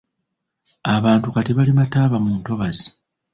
Abantu kati balima ttaaba mu ntobazi.